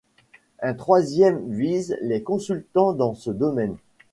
Un troisième vise les consultants dans ce domaine.